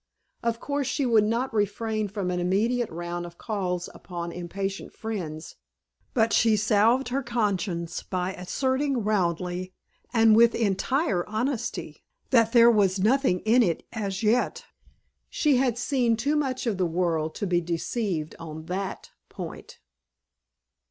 Of course she could not refrain from an immediate round of calls upon impatient friends, but she salved her conscience by asserting roundly (and with entire honesty) that there was nothing in it as yet. She had seen too much of the world to be deceived on that point.